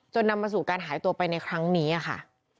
นำมาสู่การหายตัวไปในครั้งนี้ค่ะ